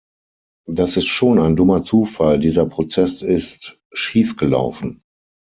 Das ist schon ein dummer Zufall dieser Prozess ist schief gelaufen.